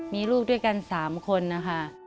มีลูกด้วยกัน๓คนนะคะ